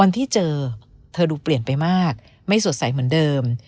ที่เจอเธอดูเปลี่ยนไปมากไม่สดใสเหมือนเดิม